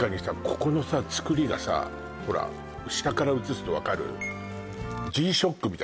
ここの作りがさほら下からうつすと分かる？